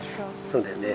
そうだよね。